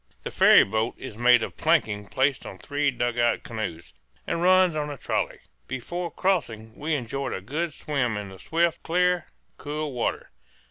The ferry boat is made of planking placed on three dugout canoes, and runs on a trolley. Before crossing we enjoyed a good swim in the swift, clear, cool water.